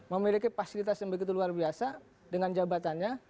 memiliki fasilitas yang begitu luar biasa dengan jabatannya